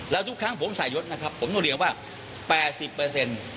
แล้วทุกครั้งผมใส่ยศนะครับผมต้องเรียนว่า๘๐เปอร์เซ็นต์